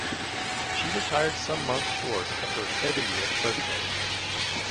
She retired some months short of her seventieth birthday.